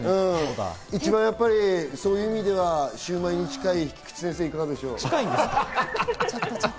一番やっぱり、そういう意味ではシウマイに近い菊地先生、いかがでしょう。